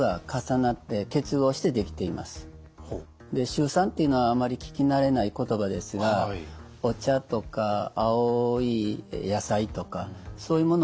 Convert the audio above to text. シュウ酸っていうのはあまり聞き慣れない言葉ですがお茶とか青い野菜とかそういうものに含まれているものです。